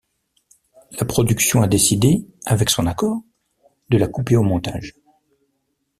La production a décidé, avec son accord, de la couper au montage.